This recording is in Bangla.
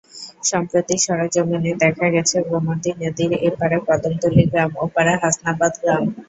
সম্প্রতি সরেজমিনে দেখা গেছে, গোমতী নদীর এপারে কদমতলী গ্রাম, ওপারে হাসনাবাদ গ্রাম।